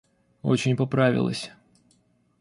Очень поправилась.